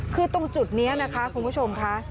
คือตรงจุดนี้นะคะคุณผู้ชมค่ะ